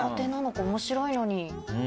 面白いのに。